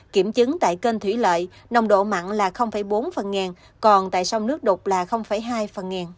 kiểm chứng tại kênh thủy lợi nồng độ mặn là bốn phần ngàn còn tại sông nước đục là hai phần ngàn